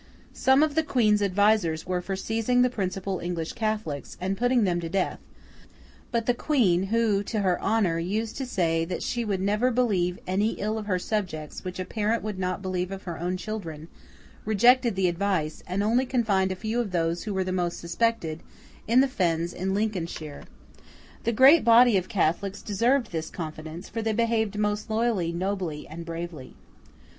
Some of the Queen's advisers were for seizing the principal English Catholics, and putting them to death; but the Queen—who, to her honour, used to say, that she would never believe any ill of her subjects, which a parent would not believe of her own children—rejected the advice, and only confined a few of those who were the most suspected, in the fens in Lincolnshire. The great body of Catholics deserved this confidence; for they behaved most loyally, nobly, and bravely.